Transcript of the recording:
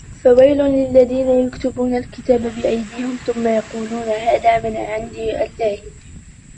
فَوَيْلٌ لِلَّذِينَ يَكْتُبُونَ الْكِتَابَ بِأَيْدِيهِمْ ثُمَّ يَقُولُونَ هَٰذَا مِنْ عِنْدِ اللَّهِ